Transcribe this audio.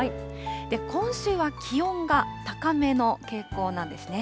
今週は気温が高めの傾向なんですね。